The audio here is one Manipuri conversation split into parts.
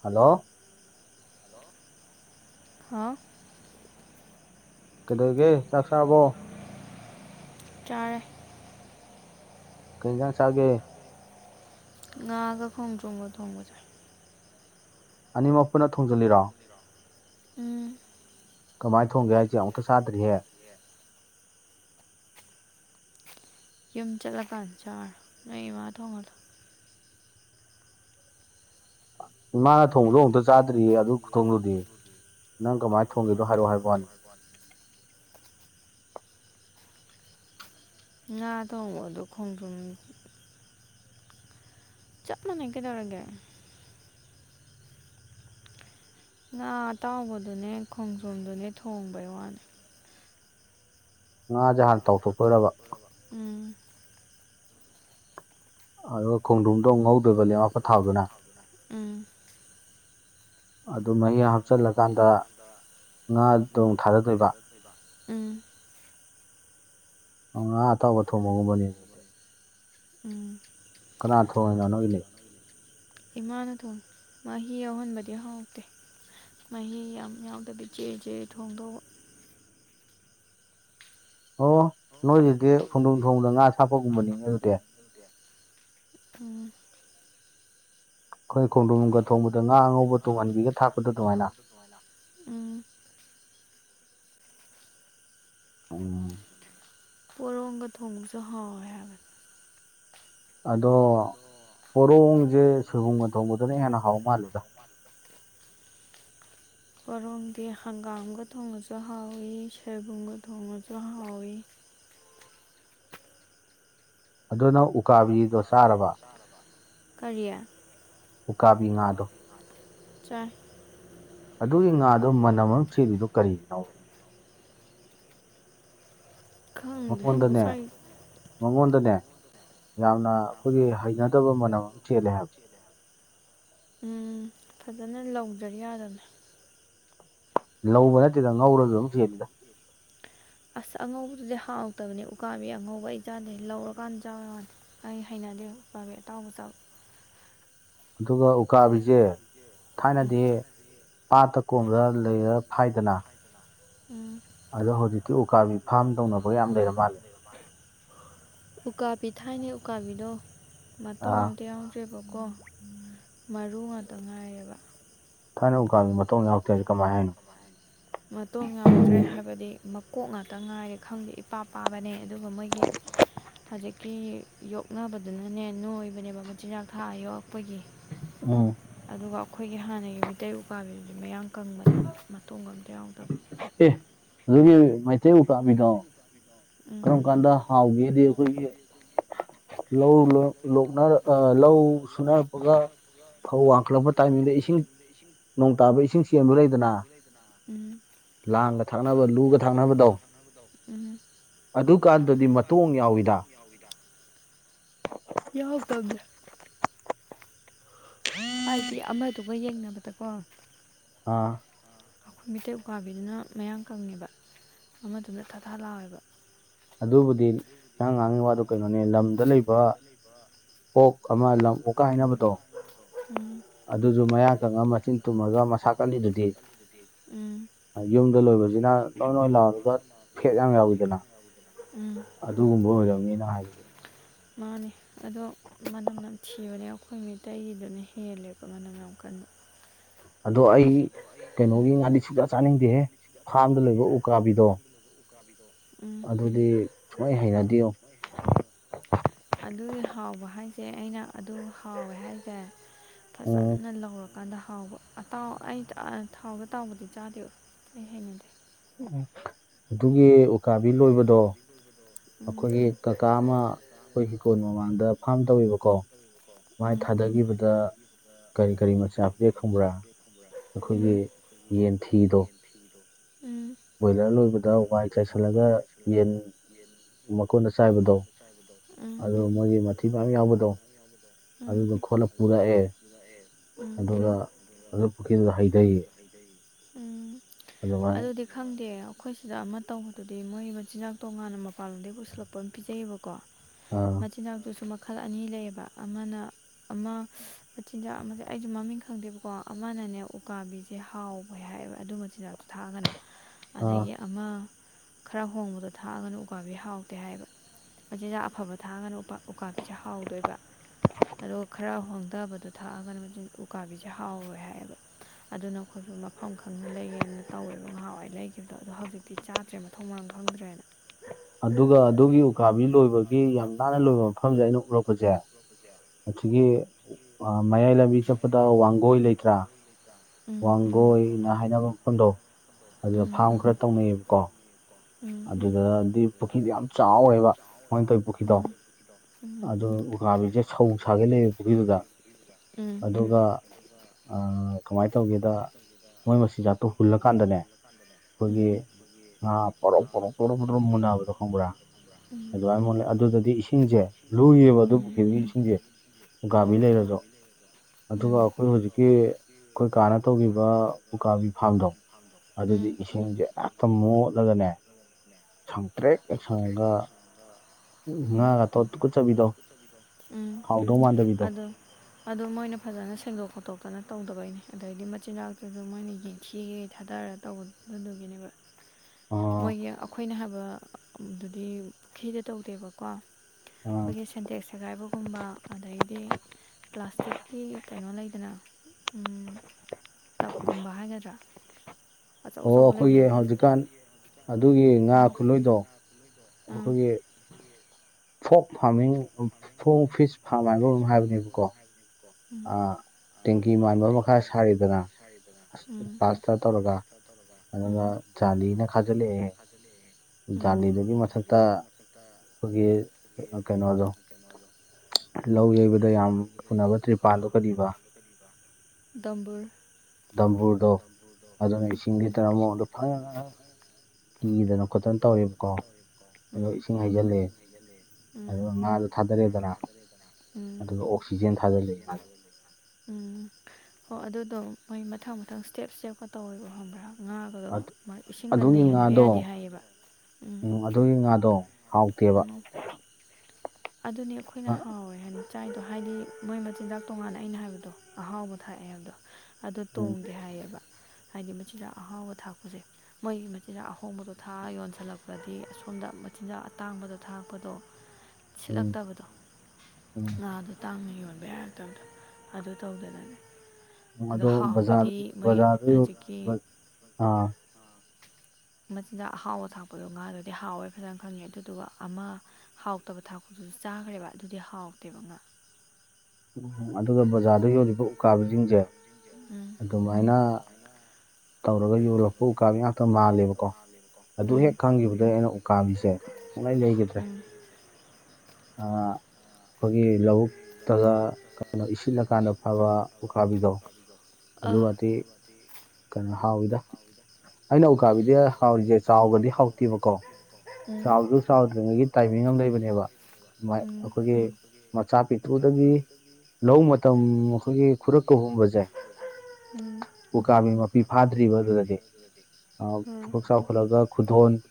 ꯍꯜꯂꯣ ꯍꯥ ꯀꯩꯗꯧꯒꯦ ꯆꯥꯛ ꯁꯥꯕꯣ ꯆꯥꯔꯦ ꯀꯩꯖꯥꯡ ꯆꯥꯒꯦ ꯉꯥꯒ ꯈꯣꯡꯗ꯭ꯔꯨꯝꯒ ꯊꯣꯡꯕ ꯆꯥꯢ ꯑꯅꯤꯃꯛ ꯄꯨꯟꯅ ꯊꯣꯡꯖꯤꯜꯂꯤꯔꯣ ꯀꯃꯥꯏꯅ ꯊꯣꯡꯒꯦ ꯍꯥꯏꯁꯦ ꯑꯃꯨꯛꯇ ꯆꯗ꯭ꯔꯤꯍꯦ ꯌꯨꯝ ꯆꯠꯂꯀꯥꯟ ꯆꯥꯔꯣ ꯅꯣꯏ ꯏꯃꯥ ꯊꯣꯡꯍꯜꯂꯣ ꯏꯃꯥꯅ ꯊꯣꯡꯗꯣ ꯑꯃꯨꯛꯇ ꯆꯥꯗ꯭ꯔꯤꯌꯦ ꯑꯗꯨ ꯈꯨꯊꯣꯡꯗꯨꯗꯤ ꯅꯪ ꯀꯃꯥꯏꯅ ꯊꯣꯡꯒꯦꯗꯣ ꯍꯥꯏꯔꯛꯑꯣ ꯍꯥꯏꯕ ꯋꯥꯅꯤ ꯉꯥ ꯊꯣꯡꯕꯗꯣ ꯈꯣꯡꯗ꯭ꯔꯨꯝ ꯆꯞ ꯃꯥꯅꯩ ꯀꯗꯧꯔꯒꯦ ꯉꯥ ꯑꯇꯥꯎꯕꯗꯨꯅꯦ ꯈꯣꯡꯖꯣꯝꯗꯨꯅꯦ ꯊꯣꯡꯕꯩ ꯋꯥꯅꯤ ꯉꯥꯁꯦ ꯍꯥꯟꯅ ꯇꯥꯎꯊꯣꯛꯇꯣꯏꯔꯕ ꯎꯝ ꯑꯗꯨꯒ ꯈꯣꯡꯗ꯭ꯔꯝꯗꯣ ꯑꯃꯨꯛ ꯉꯧꯗꯣꯏꯕ ꯂꯦꯃꯛꯄ ꯊꯥꯎꯗꯨꯅ ꯎꯝ ꯑꯗꯨ ꯃꯍꯤ ꯍꯥꯞꯆꯤꯜꯂꯀꯥꯟꯗ ꯉꯥꯗꯣ ꯃꯨꯛ ꯊꯥꯗꯗꯣꯏꯕ ꯎꯝ ꯉꯥ ꯑꯇꯥꯎꯕ ꯊꯣꯡꯕꯒꯨꯝꯕꯅꯦ ꯎꯝ ꯀꯅꯥ ꯊꯣꯡꯏꯅꯣ ꯅꯣꯏꯒꯤꯅꯦ ꯃꯥꯅ ꯊꯣꯡꯏ ꯃꯥꯍꯤ ꯌꯥꯎꯍꯟꯕꯗꯤ ꯍꯥꯎꯇꯦ ꯃꯍꯤ ꯌꯥꯝ ꯌꯥꯎꯗꯗꯤ ꯆꯦ ꯆꯦ ꯊꯣꯡꯗꯣꯏꯕ ꯑꯣ ꯅꯣꯏꯗꯨꯗꯤ ꯐꯣꯡꯗꯣꯡ ꯊꯣꯡꯕꯗ ꯉꯥ ꯊꯥꯛꯄꯒꯨꯝꯕꯅꯤꯅꯦ ꯑꯗꯨꯗꯤ ꯎꯝ ꯑꯩꯈꯣꯏ ꯈꯣꯡꯗꯣꯝꯒ ꯊꯣꯡꯕꯗ ꯉꯥ ꯑꯉꯧꯕ ꯇꯣꯡꯍꯟꯕꯤꯒ ꯊꯥꯛꯄꯗꯦ ꯑꯗꯨꯃꯥꯏꯅ ꯎꯝ ꯎꯝ ꯔꯣꯡꯒ ꯊꯣꯡꯕꯁꯨ ꯍꯥꯎꯏ ꯍꯥꯏꯕꯅꯤ ꯑꯗꯣ ꯄꯣꯔꯣꯡꯁꯦ ꯁꯣꯏꯕꯨꯝꯒ ꯊꯣꯡꯕꯗꯅ ꯍꯦꯟꯅ ꯍꯥꯎ ꯃꯥꯜꯂꯦꯗ ꯃꯔꯔꯣꯝꯗꯤ ꯍꯪꯒꯥꯝꯒ ꯊꯣꯡꯉꯁꯨ ꯍꯥꯎꯋꯤ ꯁꯣꯏꯕꯨꯝꯒ ꯊꯣꯡꯉꯁꯨ ꯍꯥꯎꯏ ꯑꯗꯨꯅ ꯎꯀꯥꯕꯤꯗꯣ ꯆꯥꯔꯕ ꯀꯔꯤ ꯎꯀꯥꯕꯤ ꯉꯥꯗꯣ ꯆꯥꯢ ꯑꯗꯨꯒꯤ ꯉꯥꯗꯣ ꯃꯅꯝ ꯑꯃ ꯆꯦꯜꯂꯤꯗꯨ ꯀꯔꯤꯒꯤꯅꯣ ꯃꯉꯣꯟꯗꯅꯦ ꯃꯉꯣꯟꯗꯅꯦ ꯌꯥꯝꯅ ꯑꯩꯈꯣꯏꯒꯤ ꯍꯩꯅꯗꯕ ꯃꯅꯝ ꯑꯃ ꯆꯦꯜꯂꯦ ꯍꯥꯏꯕ ꯐꯖꯅ ꯂꯧꯗ꯭ꯔꯗꯤ ꯌꯥꯗꯕꯅꯦ ꯂꯧꯕ ꯅꯠꯇꯦꯗ ꯉꯧꯔꯁꯨ ꯑꯃꯝ ꯆꯦꯜꯂꯤꯗ ꯑꯁ ꯑꯉꯧꯕꯗꯨꯗꯤ ꯍꯥꯎꯇꯕꯅꯦ ꯎꯀꯥꯕꯤ ꯑꯉꯧꯕ ꯑꯩ ꯆꯥꯗꯦ ꯂꯧꯔꯀꯥꯟꯗ ꯆꯥꯕꯒꯤ ꯋꯅꯤ ꯑꯩ ꯍꯩꯅꯗꯦ ꯄꯥꯚꯦ ꯑꯇꯥꯎꯕ ꯆꯥꯕ ꯑꯗꯨꯒ ꯎꯀꯥꯕꯤꯁꯦ ꯊꯥꯏꯅꯗꯤ ꯄꯥꯠꯇ ꯀꯣꯝꯕ ꯂꯩꯔꯒ ꯐꯥꯏꯗꯅ ꯎꯝ ꯑꯗꯣ ꯍꯧꯖꯤꯛꯇꯤ ꯎꯀꯥꯕꯤ ꯐꯥꯔꯝ ꯇꯧꯅꯕꯒ ꯌꯥꯝ ꯂꯩꯔ ꯃꯥꯜꯂꯦ ꯎꯀꯥꯕꯤ ꯊꯥꯏꯅꯩ ꯎꯀꯥꯕꯤꯗꯣ ꯃꯇꯣꯡ ꯑꯝꯇ ꯌꯥꯎ ꯅꯠꯇꯦ ꯕꯀꯣ ꯃꯔꯨ ꯉꯥꯛꯇ ꯉꯥꯏꯌꯦꯕ ꯊꯥꯅꯧ ꯎꯀꯥꯕꯤ ꯃꯇꯧ ꯌꯥꯎꯗꯔꯤ ꯀꯃꯥꯏ ꯍꯥꯏꯅꯣ ꯃꯇꯣꯡ ꯌꯥꯎꯗ꯭ꯔꯦ ꯍꯥꯏꯕꯗꯤ ꯃꯀꯣꯛ ꯉꯥꯛꯇ ꯉꯥꯏꯔꯦ ꯈꯪꯗꯦ ꯏꯄꯥ ꯄꯥꯕꯅꯦ ꯑꯗꯨꯒ ꯃꯣꯏꯒꯤ ꯍꯧꯖꯤꯛꯇꯤ ꯌꯣꯛꯅꯕꯗꯨꯅꯅꯦ ꯅꯣꯏꯕꯅꯦꯕ ꯃꯆꯤꯟꯖꯥꯛ ꯊꯥ ꯌꯣꯛꯂꯄꯒꯤ UNINTELLIGIBLE ꯎꯝ ꯑꯗꯨꯒ ꯑꯩꯈꯣꯏꯒꯤ ꯍꯥꯟꯅꯒꯤ ꯃꯤꯇꯩ ꯎꯄꯥꯥꯕꯤꯁ ꯃꯌꯥꯝ ꯀꯪꯕꯅꯦꯕ ꯃꯇꯣꯡ ꯑꯝꯇ ꯌꯥꯎꯗꯕꯅꯤ ꯑꯦ ꯑꯗꯨꯒꯤ ꯃꯩꯇꯩ ꯎꯀꯥ ꯕꯤꯗꯣ ꯀꯔꯝ ꯀꯥꯟꯗ ꯍꯥꯎꯒꯦꯗꯤ ꯑꯩꯈꯣꯏꯒꯤ ꯂꯧ ꯂ ꯂꫭꯛꯅ ꯑ ꯂꯧ ꯁꯅꯔꯛꯄꯒ ꯐꯧ ꯋꯥꯡꯈꯠꯂꯛꯄ ꯇꯥꯏꯃꯤꯡꯗ ꯏꯁꯤꯡ ꯅꯣꯡ ꯇꯥꯕ ꯏꯁꯤꯡ ꯆꯦꯟꯕ ꯂꯩꯗꯅ ꯎꯝ ꯂꯥꯡꯒ ꯊꯥꯛꯅꯕ ꯂꯨꯒ ꯊꯥꯛꯅꯕꯗꯣ ꯑꯗꯨꯀꯥꯟꯗꯨꯗꯤ ꯃꯇꯣꯡ ꯌꯥꯎꯏꯤꯗ ꯌꯥ ꯍꯧ ꯇꯕꯗ꯭ꯔꯦ ꯍꯥꯏꯗꯤ ꯑꯃꯗꯨꯒ ꯌꯦꯡꯅꯕꯗꯀꯣ ꯑꯥ ꯑꯩꯈꯣꯏ ꯃꯤꯇꯩ ꯎꯀꯥꯕꯤꯗꯨꯅ ꯃꯌꯥꯡ ꯀꯪꯉꯦꯕ ꯑꯃꯗꯨꯅ ꯊꯥ ꯊꯥ ꯂꯥꯎꯋꯦꯕ ꯑꯗꯨꯕꯨꯗꯤ ꯅꯪ ꯉꯥꯡꯉꯤ ꯋꯥꯗꯨꯣ ꯀꯩꯅꯣꯅꯦ ꯂꯝꯗ ꯂꯩꯕ ꯑꯣꯛ ꯑꯃ ꯂꯝ ꯑꯣꯛ ꯀ ꯍꯥꯏꯅꯕꯗꯣ ꯑꯗꯨꯁꯨ ꯃꯌꯥꯡ ꯀꯛꯉꯝ ꯃꯆꯤꯟ ꯇꯨꯝꯃꯒ ꯃꯁꯥ ꯑꯂꯤꯗꯨꯗꯤ ꯎꯝ ꯌꯨꯝꯗ ꯂꯣꯏꯕꯁꯤꯅ ꯅꫭꯏ ꯅꫭꯏ ꯂꯥꯎꯒ ꯐꯦꯛ ꯌꯥꯝ ꯌꯥꯎꯋꯤꯗꯅ ꯑꯗꯨꯒꯨꯝꯕ ꯑꯣꯏꯔꯝꯅꯤꯅ ꯍꯥꯏꯕꯗꯤ ꯃꯥꯅꯦ ꯑꯗꯣ ꯃꯅꯝ ꯅꯝꯊꯤꯕꯅꯦ ꯑꯩꯈꯣꯏ ꯃꯩꯇꯩꯒꯤꯗꯨꯅ ꯍꯦꯜꯂꯦꯀꯣ ꯃꯅꯝ ꯌꯥꯝ ꯀꯟꯕ ꯑꯗꯣ ꯑꯩ ꯀꯩꯅꯣꯒꯤ ꯉꯥꯗꯤ ꯁꯨꯛꯆꯥ ꯆꯥꯅꯤꯡꯗꯦꯌꯦ ꯐꯥꯔꯝꯗ ꯂꯩꯕ ꯎꯀꯥꯕꯤꯗꯣ ꯕꯤꯗꯣ ꯎꯝ ꯑꯗꯨꯗꯤ ꯁꯨꯡꯍꯩ ꯍꯩꯅꯗꯦꯉꯣ ꯑꯗꯨꯒꯤ ꯍꯥꯎꯕ ꯍꯥꯏꯁꯦ ꯑꯩꯅ ꯑꯗꯨ ꯍꯥꯎꯋꯦ ꯍꯥꯏꯁꯦ ꯐꯖꯅ ꯂꯧꯔꯛꯄ ꯀꯥꯟꯗ ꯍꯥꯎꯕ ꯑꯇꯥꯎ ꯑꯩ ꯊꯥꯎꯕ ꯇꯥꯎꯕꯗꯤ ꯆꯥꯗꯦꯕ ꯑꯩ ꯍꯩꯅꯗꯦ ꯎ ꯑꯗꯨꯒꯤ ꯎꯀꯥꯕꯤ ꯂꯣꯏꯕꯗꯣ ꯑꯩꯈꯣꯏꯒꯤ ꯀꯀꯥ ꯑꯃ ꯑꯩꯈꯣꯏ ꯍꯤꯡꯀꯣꯜ ꯃꯃꯥꯡꯗ ꯐꯥꯝ ꯇꯧꯋꯕꯀꯣ ꯃꯥꯏ ꯊꯥꯗꯈꯤꯕꯗ ꯀꯔꯤ ꯀꯔꯤ ꯃꯆꯥ ꯄꯦꯛ ꯈꯪꯕ꯭ꯔꯥ ꯑꯩꯈꯣꯏꯒꯤ ꯌꯦꯟꯊꯤꯗꯣ ꯎꯝ ꯕꯣꯏꯂꯔ ꯂꯣꯏꯕꯗ ꯋꯥꯏ ꯆꯥꯏꯁꯤꯜꯂꯒ ꯌꯦꯟ ꯃꯀꯣꯟꯗ ꯆꯥꯏꯕꯗꯣ UNINTELLIGIBLE ꯑꯗꯨ ꯃꯣꯏꯒꯤ ꯃꯊꯤ ꯃ ꯌꯥꯎꯕꯗꯣ ꯑꯗꯨꯗꯣ ꯈꯣꯠꯂ ꯄꯨꯔꯛꯑꯦ ꯑꯗꯨꯒ ꯑꯗꯨ ꯄꯨꯈ꯭ꯔꯤꯗꯨꯗ ꯍꯩꯊꯩꯌꯦ ꯑꯗꯨꯗꯤ ꯈꯪꯗꯦ ꯑꯩꯈꯣꯏ ꯁꯤꯗ ꯑꯃ ꯇꯧꯕꯗꯨꯗꯤ ꯃꯣꯏ ꯃꯆꯤꯟꯖꯥꯛꯇꯣꯉꯥꯟꯅ ꯃꯄꯥꯟꯂꯣꯝꯗꯒꯤ ꯄꯨꯁꯤꯜꯂꯛꯄ ꯑꯃ ꯄꯤꯖꯩꯌꯦꯕꯀꯣ ꯃꯆꯤꯟꯖꯥꯛꯇꯨꯁꯨ ꯃꯈꯜ ꯑꯅꯤ ꯂꯩꯌꯦꯕ ꯑꯃꯅ ꯑꯃ ꯃꯆꯤꯟꯖꯥꯛ ꯑꯃꯁꯦ ꯑꯩꯁꯨ ꯃꯃꯤꯡ ꯈꯪꯗꯦꯕꯀꯣ ꯑꯃꯅꯅꯦ ꯎꯀꯥꯕꯤꯁꯦ ꯍꯥꯎꯋꯦ ꯍꯥꯏꯌꯦꯕ ꯑꯗꯨꯢ ꯃꯆꯤꯟꯆꯥꯛ ꯊꯥꯛꯑꯒꯅ ꯑꯗꯒꯤ ꯑꯃ ꯈꯔ ꯍꯣꯡꯕꯗꯣ ꯊꯥꯛꯑꯒꯅ ꯎꯀꯥꯕꯤ ꯍꯥꯎꯇꯦ ꯍꯥꯏꯕ ꯃꯆꯤꯟꯖꯥꯛ ꯑꯐꯕ ꯊꯥꯛꯑꯒꯅꯥ ꯎꯀꯥꯕꯤꯁꯦ ꯍꯥꯎꯗꯣꯏꯕ ꯑꯗꯣ ꯈꯔ ꯍꯣꯡꯊꯕꯗꯣ ꯊꯥꯛꯑꯒꯅ ꯃꯥꯖꯤꯟ ꯎꯀꯥꯕꯤꯁꯦ ꯍꯥꯎꯔꯣꯢ ꯍꯥꯏꯌꯦꯕ ꯑꯗꯨꯅ ꯑꯩꯈꯣꯏꯁꯨ ꯃꯐꯝ ꯈꯪꯅ ꯂꯩꯌꯦ ꯇꯧꯋꯦꯕ ꯅꯍꯥꯟꯋꯥꯢ ꯂꯩꯈꯤꯕꯗꯣ ꯑꯗꯣ ꯍꯧꯖꯤꯛꯇꯤ ꯆꯥꯗ꯭ꯔꯦ ꯃꯊꯣꯛ ꯃꯔꯝ ꯈꯪꯗ꯭ꯔꯦꯅ ꯑꯗꯨꯒ ꯑꯗꯨꯒꯤ ꯎꯀꯥꯕꯤ ꯂꯣꯏꯕꯒꯤ ꯌꯥꯝ ꯅꯥꯟꯅ ꯂꯣꯏꯕ ꯃꯐꯝꯁꯦ ꯑꯩꯅ ꯎꯔꯛꯄꯁꯦ [inaudible] ꯑꯁꯤꯒꯤ ꯃꯌꯥꯏ ꯂꯥꯝꯕꯤ ꯆꯠꯄꯗ ꯋꯥꯡꯒꯣꯏ ꯂꯩꯇ꯭ꯔꯥ ꯒꯣꯏꯅ ꯍꯥꯏꯅꯕ ꯃꯐꯝꯗꯣ ꯑꯗꯨ ꯐꯥꯝ ꯈꯔ ꯇꯧꯅꯩꯌꯦꯕꯀꯣ ꯑꯗꯨꯗꯗꯤ ꯄꯨꯈ꯭ꯔꯤꯗꯣ ꯌꯥꯝ ꯆꯥꯎꯔꯦꯕ ꯃꯣꯏꯅ ꯇꯧꯋꯤ ꯄꯨꯈ꯭ꯔꯤꯗꯣ ꯑꯗꯨ ꯎꯀꯥꯕꯤꯁꯦ ꯁꯧ ꯁꯥꯒꯩ ꯂꯩꯕ ꯄꯨꯈ꯭ꯔꯤꯗꯨꯗ ꯑꯗꯨꯒ ꯀꯃꯥꯏꯅ ꯇꯧꯒꯦꯗ ꯃꯣꯏ ꯃꯆꯤꯟꯖꯥꯛꯇꯣ ꯍꯨꯜꯂꯀꯥꯟꯗꯅꯦ ꯑꯩꯈꯣꯏꯒꯤ ꯉꯥ ꯄꯣꯔꯣꯛ ꯄꯣꯔꯣꯛ ꯃꯨꯟꯅꯕꯗꯣ ꯈꯪꯕ꯭ꯔꯥ ꯑꯗꯨꯃꯥꯏꯅ ꯃꯣꯠꯂꯦ ꯑꯗꯨꯗꯗꯤ ꯏꯁꯤꯡꯁꯦ ꯂꯨꯏꯌꯦꯕ ꯑꯗꯨ ꯄꯨꯈ꯭ꯔꯤꯗꯨꯒꯤ ꯏꯁꯤꯡꯁꯦ ꯎꯀꯥꯕꯤ ꯂꯩꯔꯁꯨ ꯑꯗꯨꯒ ꯑꯩꯈꯣꯏ ꯍꯧꯖꯤꯛꯀꯤ ꯑꯩꯈꯣꯏ ꯀꯥꯅ ꯇꯧꯈꯤꯕ ꯎꯀꯥꯕꯤ ꯐꯥꯔꯝꯗꯣ ꯑꯗꯨꯗꯤ ꯏꯁꯤꯡꯁꯦ ꯍꯦꯛꯇ ꯃꯣꯠꯂꯒꯅꯦ ꯁꯪꯛꯇ꯭ꯔꯤꯛ ꯍꯦꯛ ꯁꯪꯉꯥ ꯒꯥ ꯉꯥꯒꯥ ꯗꯣ ꯇꯨꯒꯠꯆꯕꯤꯗꯣ ꯎꯝ ꯑꯗꯣ ꯑꯗꯨ ꯃꯣꯏꯅ ꯐꯖꯅ ꯁꯦꯡꯗꯣꯛ ꯈꯣꯠꯇꯣꯛꯇꯅ ꯇꯧꯗꯕꯩꯅꯦ ꯑꯗꯩꯗꯤ ꯃꯆꯤꯟꯖꯥꯛꯇꯨꯁꯨ ꯃꯣꯏꯅ ꯌꯦꯡꯗꯤꯈꯩ ꯊꯥꯗꯔꯒ ꯇꯧꯗꯒꯤꯅꯦꯕ [inaudible] ꯃꯣꯏꯒꯤ ꯑꯩꯈꯣꯏꯅ ꯍꯥꯏꯕ ꯑꯗꯨꯗꯤ ꯄꯨꯈ꯭ꯔꯤꯗ ꯇꯧꯗꯦꯕꯀꯣ ꯑꯩꯈꯣꯏꯒꯤ ꯁꯟꯗꯦꯛ ꯁꯦꯒꯥꯏꯕꯒꯨꯝꯕ ꯑꯗꯩꯗꯤ ꯄ꯭ꯂꯥꯁꯇꯤꯛꯀꯤ ꯀꯩꯅꯣ ꯂꯩꯗꯅ ꯇꯞꯀꯨꯝꯕ ꯍꯥꯏꯒꯗ꯭ꯔꯥ ꯑꯣ ꯑꯩꯈꯣꯏꯒꯤ ꯍꯧꯖꯤꯛꯀꯥꯟ ꯑꯗꯨꯒꯤ ꯉꯥ ꯈꯨꯂꯣꯏꯗꯣ ꯑꯩꯈꯣꯏꯒꯤ ꯐꯣꯛ ꯐꯥꯔꯃꯤꯡ ꯐꯣꯡ ꯐꯤꯁ ꯐꯥꯔꯝ ꯍꯥꯏꯕ ꯑꯃ ꯍꯥꯏꯕꯅꯦꯕꯀꯣ ꯇꯦꯡꯀꯤ ꯃꯥꯟꯕ ꯑꯃ ꯃꯈꯥ ꯁꯥꯔꯤꯗꯅ ꯑ ꯇꯧꯔꯒ ꯑꯗꯨꯒ ꯖꯥꯂꯤꯅ ꯈꯥꯖꯤꯜꯂꯛꯑꯦ ꯗꯥꯥꯂꯤꯗꯨꯒꯤ ꯃꯊꯛꯇ ꯑꯩꯈꯣꯏꯒꯤ ꯀꯩꯅꯣꯗꯣ ꯂꯧ ꯌꯩꯕꯗ ꯌꯥꯝ ꯐꯨꯅꯕ ꯇ꯭ꯔꯤꯄꯥꯟꯗꯣ ꯀꯗꯤꯕꯥ ꯗꯝꯕꯨꯨꯔ ꯝꯕꯨꯨꯔꯗꯣ ꯑꯗꯨꯅ ꯏꯁꯤꯡ ꯂꯤꯇꯔ ꯑꯃꯃꯗꯣ ꯐꯖ ꯀꯤꯗꯅ ꯈꯣꯠꯇꯅ ꯇꯧꯋꯦꯕꯀꯣ ꯑꯗꯣ ꯏꯁꯤꯡ ꯍꯩꯖꯤꯜꯂꯦ ꯑꯗꯨꯒ ꯉꯥꯗꯣ ꯊꯥꯗꯔꯛꯦꯗꯅ ꯑꯗꯨꯒ ꯑꯣꯛꯁꯤꯖꯦꯟ ꯊꯥꯖꯜꯂꯑꯦ ꯉꯥꯗꯣ ꯎꯝ ꯍꯣ ꯑꯗꯨꯗꯣ ꯃꯣꯏ ꯃꯊꯪ ꯃꯊꯪ ꯁ꯭ꯇꯦꯞ ꯁ꯭ꯇꯦꯞ ꯇꯧꯋꯦꯕ ꯈꯪꯕ꯭ꯔꯥ ꯉꯥꯒꯗꯣ ꯏꯁꯤꯡꯒ ꯅꯩꯍꯟꯕ ꯌꯥꯗꯦ ꯍꯥꯏꯌꯦꯕ ꯎꯝ ꯑꯗꯨꯒꯤ ꯉꯥꯗꯣ ꯍꯥꯎꯇꯦꯕ ꯑꯗꯨꯅꯤ ꯑꯩꯈꯣꯏꯅ ꯍꯥꯎꯋꯦ ꯍꯥꯏꯅ ꯆꯥꯏꯗꯣ ꯍꯥꯏꯗꯤ ꯃꯣꯏ ꯃꯆꯤꯟꯖꯥꯛ ꯇꯣꯡꯉꯥꯟꯅ ꯑꯩꯅ ꯍꯥꯏꯕꯗꯣ ꯑꯍꯥꯎꯕ ꯊꯥꯛꯑꯦ ꯍꯥꯏꯕꯗꯣ ꯑꯗꯣ ꯇꯣꯡꯗꯦ ꯍꯥꯏꯌꯦꯕ ꯍꯥꯏꯗꯤ ꯃꯆꯤꯟꯖꯥꯛ ꯑꯍꯥꯎꯕ ꯊꯥꯛꯄꯁꯦ ꯃꯣꯏꯒꯤ ꯃꯆꯤꯟꯖꯥꯛ ꯑꯍꯣꯡꯕꯗꯣ ꯊꯥꯛꯑꯒ ꯌꯣꯟꯁꯤꯜꯂꯛꯄꯗꯤ ꯑꯁꯣꯝꯗ ꯃꯆꯤꯟꯖꯥꯛ ꯑꯇꯥꯡꯕꯗꯣ ꯊꯥꯛꯄꯗꯣ ꯁꯤꯠꯂꯛꯇꯕꯗꯣ ꯉꯥꯗꯣ ꯇꯥꯡꯅ ꯌꯣꯟꯕ ꯌꯥꯔꯛꯇꯕꯗꯣ ꯑꯗꯨ ꯇꯧꯗꯅꯅꯦ ꯑꯗ ꯍꯥꯎꯕꯗꯤ ꯃꯣꯏ ꯍꯧꯖꯤꯛꯀꯤ ꯃꯆꯤꯟꯗ ꯑꯍꯥꯎꯕ ꯊꯥꯛꯄꯗꯣ ꯉꯥꯗꯗꯤ ꯍꯥꯎꯋꯦ ꯐꯖꯅ ꯈꯪꯉꯦ ꯑꯗꯨꯗꯨꯒ ꯑꯃ ꯍꯥꯎꯇꯕ ꯊꯥꯛꯄꯇꯨꯁꯨ ꯆꯥꯈ꯭ꯔꯦꯕ ꯑꯗꯨꯗꯤ ꯍꯥꯎꯇꯦꯕ ꯉꯥ ꯎꯝ ꯑꯗꯨꯒ ꯕꯖꯥꯔꯗ ꯌꯣꯔꯤꯕ ꯎꯀꯥꯕꯤꯁꯤꯡꯁꯦ ꯑꯗꯨꯃꯥꯏꯅ ꯇꯧꯔꯒ ꯌꯣꯜꯂꯛꯄ ꯎꯀꯥꯕꯤ ꯊꯝꯃꯥꯜꯂꯦꯕꯀꯣ ꯑꯗꯨ ꯍꯦꯛ ꯈꯪꯈꯤꯕꯗꯒꯤ ꯑꯩꯅ ꯎꯀꯥꯕꯤꯁꯦ ꯁꯨꯡꯂꯩ ꯂꯩꯈꯤꯗ꯭ꯔꯦ ꯑꯥ ꯑꯩꯈꯣꯏꯒꯤ ꯂꯧꯕꯨꯛꯇꯒ ꯀꯩꯅꯣ ꯏꯁꯤꯜꯂꯀꯥꯟꯗ ꯑꯐꯕ ꯎꯀꯥꯕꯤꯗꯣ [unintelligible] ꯑꯗꯨꯒꯗꯤ ꯀꯩꯅꯣ ꯍꯥꯎꯋꯤꯗ ꯑꯩꯅ ꯎꯀꯥꯕꯤꯗꯤ ꯍꯥꯎꯔꯤꯁꯦ ꯆꯥꯎꯒꯗꯤ ꯍꯥꯎꯇꯦꯕꯀꯣ ꯆꯥꯎꯁꯨ ꯆꯥꯎꯗ꯭ꯔꯤꯉꯩꯒꯤ ꯇꯥꯏꯃꯤꯡ ꯑꯃ ꯂꯩꯕꯅꯦꯕꯥꯏ ꯑꯩꯈꯣꯏꯒꯤ ꯃꯆꯥ ꯄꯤꯛꯇꯨꯗꯒꯤ ꯂꯧ ꯃꯇꯝ ꯑꯩꯈꯣꯏꯒꯤ ꯈꯨꯔꯛꯀꯍꯨꯝꯕꯁꯦ ꯎꯝ ꯎꯀꯥꯕꯤ ꯃꯄꯤ ꯐꯥꯗ꯭ꯔꯤꯕ ꯑꯗꯨꯗꯗꯤ ꯄꯨꯀꯣꯛ ꯆꯥꯎꯈꯠꯂꯒ ꯈꯨꯗꯣꯟ ꯄꯣ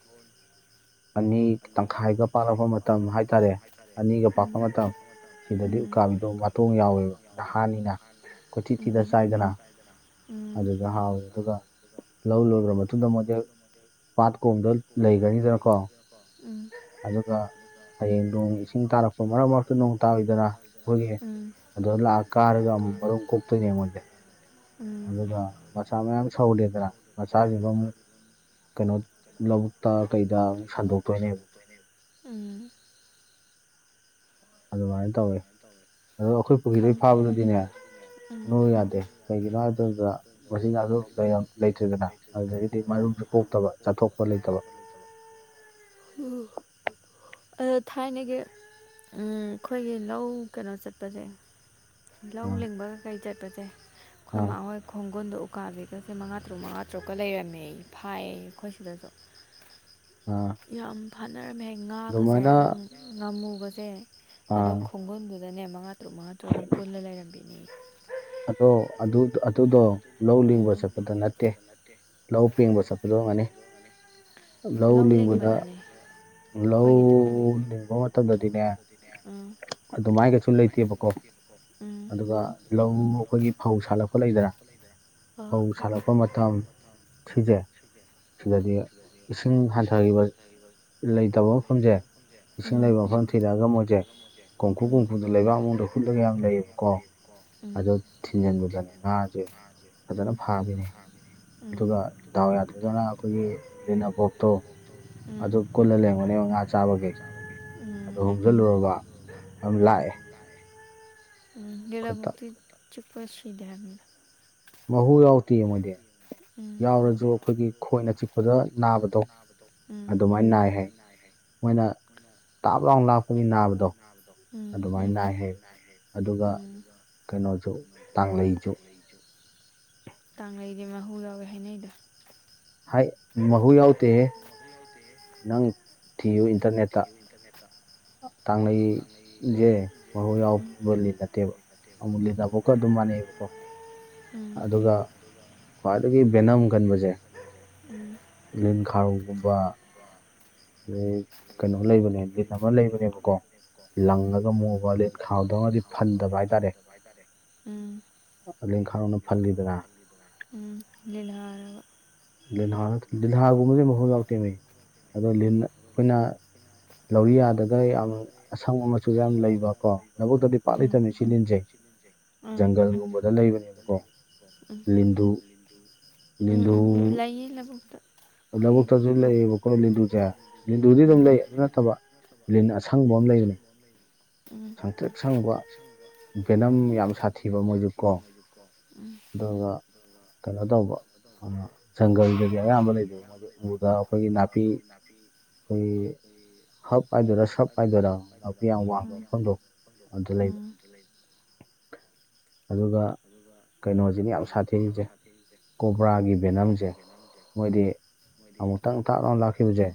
ꯑꯅꯤ ꯇꯪꯈꯥꯏꯒ ꯄꯥꯛꯂꯛꯄ ꯃꯇꯝ ꯍꯥꯏꯇꯥꯔꯦ ꯑꯅꯤꯒ ꯄꯥꯛꯄ ꯃꯇꯝ ꯁꯤꯗꯗꯤ ꯎꯀꯥꯕꯤꯗꯣ ꯃꯇꯣꯡ ꯌꯥꯎꯋꯦꯕ ꯅꯍꯥꯟꯅꯤꯅ ꯀꯣꯊꯤꯊꯤꯗ ꯆꯥꯏꯗꯅ ꯑꯗꯨꯗ ꯍꯥꯎꯏꯤ ꯑꯗꯨꯒ ꯂꯧ ꯂꯣꯏꯈ꯭ꯔ ꯃꯇꯨꯡꯗ ꯃꯣꯏꯗ ꯄꯥꯠ ꯀꯣꯝꯗ ꯂꯩꯈ꯭ꯔꯅꯤꯗꯅꯀꯣ ꯎꯝ ꯑꯗꯨꯒ ꯍꯌꯦꯡ ꯅꯣꯡ ꯏꯁꯤꯡ ꯇꯥꯔꯛꯄ ꯃꯔꯛ ꯃꯔꯛꯇ ꯅꯣꯡ ꯇꯥꯕꯤꯗꯅ ꯑꯩꯈꯣꯏꯒꯤ ꯑꯗꯣ ꯂꯥꯛꯑ ꯀꯥꯔꯒ ꯑꯃꯨꯛ ꯃꯔꯨꯝ ꯀꯣꯛꯇꯣꯏꯅꯦ ꯃꯣꯏꯁꯦ ꯑꯗꯨꯒ ꯃꯆꯥ ꯃꯌꯥꯝ ꯁꯧꯔꯦꯗꯅ ꯃꯆꯥꯁꯤꯡꯗꯣ ꯑꯃꯨꯛ ꯀꯩꯅꯣ ꯂꯧꯕꯨꯛꯇ ꯀꯩꯗ ꯁꯟꯗꯣꯛꯇꯣꯏꯅꯦꯕ ꯎꯝ ꯑꯗꯨꯃꯥꯏꯅ ꯇꯧꯋꯤ ꯑꯗꯣ ꯑꯩꯈꯣꯏ ꯄꯨꯈ꯭ꯔꯤꯗꯩ ꯐꯥꯕꯗꯨꯗꯤꯅꯦ ꯅꯣꯢꯌꯨ ꯌꯥꯗꯦ ꯀꯩꯒꯤꯅꯣ ꯍꯥꯏꯃꯇꯝꯗ ꯃꯆꯤꯟꯖꯥꯛꯁꯨ ꯂꯩꯇ꯭ꯔꯤꯗꯅ ꯑꯗꯨꯗꯒꯤꯗꯤ ꯃꯔꯨꯝꯁꯨ ꯀꯣꯛꯇꯕ ꯆꯠꯊꯣꯛꯄ ꯂꯩꯇꯕ ꯑꯣ ꯑ ꯊꯥꯏꯅꯒꯤ ꯑꯩꯈꯣꯏꯒꯤ ꯂꯧ ꯀꯩꯅꯣ ꯆꯠꯄꯁꯦ ꯂꯧ ꯂꯤꯡꯕꯒ ꯀꯔꯤ ꯆꯠꯄꯁꯦ ꯑꯩꯈꯣꯏ ꯃꯥ ꯍꯣꯏ ꯈꯣꯡꯒꯨꯜꯗ ꯎꯞ ꯎꯀꯥꯕꯤꯒꯁꯦ ꯃꯉꯥ ꯇꯔꯨꯛ ꯃꯉꯥ ꯇꯔꯨꯛꯀ ꯂꯩꯔꯝꯃꯦ ꯑꯩ ꯐꯥꯏꯌꯦ ꯑꯩꯈꯣꯏ ꯁꯤꯗꯁꯨ ꯌꯥꯝ ꯐꯥꯅꯔꯝꯃꯦ ꯍꯥꯢ ꯉꯥꯒꯁꯦ ꯑꯗꯨꯝ ꯉꯝꯃꯨꯒꯁꯦ ꯑꯗꯨꯝ ꯈꯣꯡꯒꯨꯜꯗꯨꯗꯅꯦ ꯃꯉꯥ ꯇꯔꯨꯛ ꯃꯉꯥ ꯇꯔꯨꯛ ꯑꯗꯨꯝ ꯀꯜꯂ ꯂꯩꯔꯝꯕꯤꯅꯦ ꯑꯗꯣ ꯑꯗꯨꯗꯣ ꯂꯧ ꯂꯤꯡꯕ ꯆꯠꯄꯗ ꯅꯠꯇꯦ ꯂꯧ ꯄꯦꯡꯕ ꯆꯠꯄꯗ ꯑꯣꯏꯔꯝꯒꯅꯤ ꯂꯧ ꯂꯤꯡꯕꯗꯅꯦ ꯑꯩꯈꯣꯏꯒꯤꯗꯤ ꯎ ꯂꯤꯡꯕ ꯃꯇꯝꯗꯗꯤꯅꯦ ꯑꯗꯨꯃꯥꯏ ꯀꯩꯁꯨ ꯂꯩꯇꯦꯕꯀꯣ ꯑꯗꯨꯒ ꯂꯧ ꯑꯩꯈꯣꯏꯒꯤ ꯐꯧ ꯁꯥꯠꯂꯛꯄ ꯂꯩꯗꯅ ꯐꯧ ꯁꯥꯠꯂꯛ ꯃꯇꯝ ꯁꯤꯁꯦ ꯁꯤꯗꯗꯤ ꯏꯁꯤꯡ ꯍꯟꯊꯈꯤꯕ ꯂꯩꯇꯕ ꯃꯐꯝꯁꯦ ꯏꯁꯤꯡ ꯂꯩꯕ ꯃꯐꯝꯗ ꯊꯤꯔꯛꯑꯒ ꯃꯣꯏꯁꯦ ꯀꯨꯝꯈꯨ ꯀꯨꯝꯈꯨꯗ ꯂꯩꯕꯥꯛ ꯃꯅꯨꯡꯗꯗ ꯍꯨꯠꯂꯒ ꯌꯥꯝ ꯂꯩꯌꯦꯕꯀꯣ ꯑꯗꯨ ꯊꯤꯟꯖꯤꯟꯕꯗꯅꯦ ꯉꯥꯁꯦ ꯐꯖꯅ ꯐꯥꯕꯅꯦ ꯑꯗꯨꯒ ꯗꯥꯎ ꯌꯥꯗꯗꯅ ꯑꯩꯈꯣꯏꯒꯤ ꯂꯤꯂꯕꯣꯛꯇꯣ ꯑꯗꯨ ꯀꯨꯜꯂ ꯂꯩꯔꯝꯒꯅꯦꯕ ꯉꯥ ꯆꯥꯕꯒꯤ ꯑꯗꯨ ꯍꯣꯝꯖꯤꯜꯂꯨꯔꯕ ꯑꯗꯨꯝ ꯂꯥꯛꯑꯦ ꯂꯤꯂꯕꯨꯛꯇꯤ ꯆꯤꯛꯄ ꯁꯤꯗꯦ ꯍꯥꯏꯕꯅꯤꯗ ꯃꯍꯨ ꯌꯥꯎꯗꯦ ꯃꯣꯏꯗꯤ ꯌꯥꯎꯔꯁꯨ ꯑꯩꯈꯣꯏꯒꯤ ꯈꯣꯏꯅ ꯆꯤꯛꯄꯗ ꯅꯥꯕꯗꯣ ꯑꯗꯨꯃꯥꯏꯅ ꯅꯥꯏ ꯍꯥꯏ ꯃꯣꯏꯅ ꯇꯥꯞ ꯂꯥꯎꯅ ꯂꯥꯛꯄꯒꯤ ꯅꯥꯕꯗꯣ ꯑꯗꯨꯃꯥꯏꯅ ꯅꯥꯏ ꯍꯥꯏꯌꯦ ꯑꯗꯨꯒ ꯀꯩꯅꯣꯁꯨ ꯇꯥꯡꯂꯩꯁꯨ ꯇꯥꯡ ꯂꯩꯗꯤ ꯃꯍꯨ ꯌꯥꯎꯋꯦ ꯍꯥꯏꯅꯩꯗ ꯍꯥꯏ ꯃꯍꯨ ꯌꯥꯎꯗꯦꯍꯦ ꯅꯪ ꯊꯤꯌꯨ ꯏꯟꯇꯔꯅꯦꯠꯇ ꯇꯥꯡꯂꯩꯖꯦ ꯃꯍꯨ ꯌꯥꯎꯕ ꯂꯤꯟ ꯅꯠꯇꯦꯕ ꯑꯃꯨꯂꯤꯟ [unintelligible] ꯑꯗꯨꯝ ꯃꯥꯟꯅꯩꯌꯦꯕꯀꯣ ꯑꯗꯨꯒ ꯈ꯭ꯋꯥꯏꯗꯒꯤ ꯕꯦꯅꯝ ꯀꯟꯕꯖꯦ ꯎꯝ ꯂꯤꯟ ꯈꯥꯔꯧꯒꯨꯝꯕ ꯑꯗꯩ ꯀꯩꯅꯣ ꯂꯩꯕꯅꯦ ꯂꯤꯟ ꯑꯃ ꯂꯩꯕꯅꯦꯕꯀꯣ ꯂꯪꯉꯒ ꯃꯣꯕ ꯂꯤꯠ ꯈꯥꯎꯗꯧꯅꯗꯤ ꯐꯟꯗꯕ ꯍꯥꯏꯇꯥꯔꯦ ꯎꯝ ꯂꯤꯟ ꯈꯥꯔꯣꯅ ꯐꯜꯂꯤꯗꯅ ꯎꯝ ꯂꯤꯜꯍꯥꯔꯕ ꯂꯤꯜꯍꯥ ꯂꯤꯜꯍꯥꯒꯨꯝꯕꯗꯤ ꯃꯍꯨ ꯌꯥꯎꯗꯦꯃꯦ ꯑꯗꯨ ꯂꯤꯟ ꯑꯈꫭꯏꯅ ꯂꯧꯔꯤ ꯌꯥꯗꯒ ꯌꯥꯝ ꯑꯁꯪꯕ ꯃꯆꯨꯗ ꯌꯥꯝ ꯂꯩꯕ ꯀꯣ ꯂꯧꯕꯨꯛꯇꯗꯤ ꯄꯥꯛ ꯂꯩꯇꯕꯅꯤ ꯁꯤ ꯂꯤꯟꯖꯦ ꯖꯪꯒꯜꯒꯨꯝꯕꯗ ꯂꯩꯕꯅꯦꯕꯀꯣ ꯂꯤꯟꯗꯨ ꯂꯩꯌꯦ ꯂꯕꯨꯛꯇ ꯂꯕꯨꯛꯇꯖꯨ ꯂꯩꯌꯦꯕꯀꯣ ꯂꯤꯟꯗꯨꯖꯦ ꯂꯤꯟꯗꯨꯗꯤ ꯑꯗꯨꯝ ꯂꯩ ꯑꯗꯨ ꯅꯠꯇꯕ ꯂꯤꯟ ꯑꯁꯪꯕ ꯑꯃ ꯂꯩꯕꯅꯦ ꯁꯪꯇ꯭ꯔꯤꯛ ꯁꯪꯕ ꯕꯦꯅꯝ ꯌꯥꯝ ꯁꯥꯊꯤꯕ ꯃꯣꯏꯖꯦ ꯀꯣ ꯑꯗꯨꯒ ꯀꯩꯅꯣ ꯇꯧꯕ ꯖꯪꯒꯜꯗꯗꯤ ꯑꯌꯥꯝꯕ ꯂꯩꯗꯣꯏꯕ ꯃꯣꯏ ꯑꯗꯨ ꯎꯕꯗ ꯑꯩꯈꯣꯏꯒꯤ ꯅꯥꯄꯤ ꯑꯩꯈꯣꯏꯒꯤ ꯍꯞ ꯍꯥꯏꯗꯣꯏꯔꯥ ꯁꯞ ꯍꯥꯏꯗꯣꯏꯔꯥ ꯅꯥꯄꯤ ꯌꯥꯝ ꯋꯥꯡꯕ ꯃꯐꯝꯗꫭ ꯑꯗꯨ ꯂꯩꯕ ꯑꯗꯨꯒ ꯀꯩꯅꯣꯖꯤꯅꯦ ꯌꯥꯝ ꯁꯥꯊꯤꯔꯤꯖꯦ ꯀꯣꯕ꯭ꯔꯥꯒꯤ ꯕꯦꯅꯝꯖꯦ ꯃꯣꯏꯗꯤ ꯑꯃꯨꯛꯇꯪ ꯇꯥꯄ ꯂꯥꯎ ꯂꯥꯛꯈꯤꯕꯖꯦ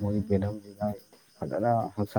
ꯃꯣꯏꯒꯤ ꯕꯦꯅꯝꯖꯤꯅ ꯐꯖꯅ ꯍꯛꯆꯥꯡ